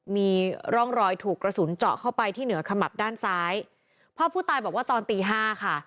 มีร่องรอยถูกกระสุนเจาะเข้าไปที่เหนือขมับด้านซ้ายพ่อผู้ตายบอกว่าตอนตีห้าค่ะ